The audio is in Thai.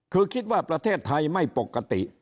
คือคิดว่าประเทศไทยไม่ปกติ